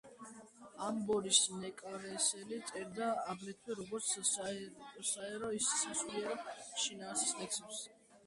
ამბროსი ნეკრესელი წერდა აგრეთვე როგორც საერო, ისე სასულიერო შინაარსის ლექსებს.